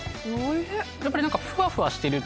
やっぱり。